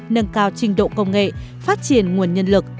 nâng cao trình độ công nghệ phát triển nguồn nhân lực